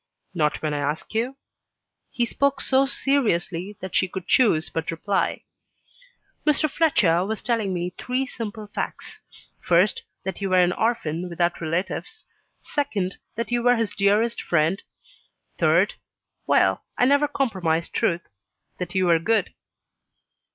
"Not when I ask you?" He spoke so seriously that she could choose but reply. "Mr. Fletcher was telling me three simple facts: First, that you were an orphan, without relatives. Secondly, that you were his dearest friend. Thirdly well, I never compromise truth that you were good."